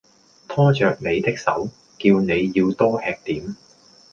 拖著你的手，叫你要多吃點